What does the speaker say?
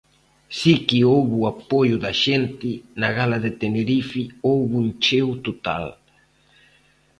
Si que houbo apoio da xente, na gala de Tenerife houbo un cheo total.